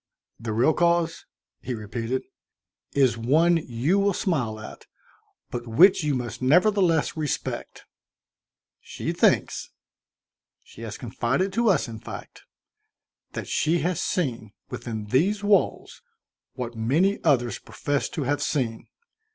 "The real cause " he repeated. " is one you will smile at, but which you must nevertheless respect. She thinks she has confided to us, in fact that she has seen, within these walls, what many others profess to have seen.